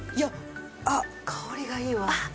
あっ香りがいいわ。